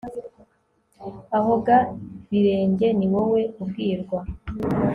aho ga birenge ni wowe ubwirwa